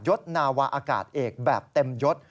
ศนาวาอากาศเอกแบบเต็มยศ